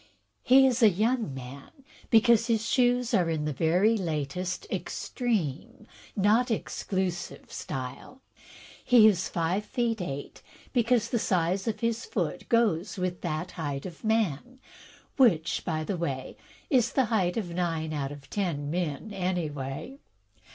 He is a young man because his shoes are in the very latest, extreme, not exclusive style. He is five feet eight, because the size of his foot goes with that height of man, which, by the way, is the height of nine out of ten men, any way.